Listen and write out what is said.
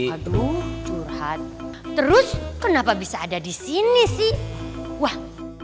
aduh curhat terus kenapa bisa ada di sini sih wah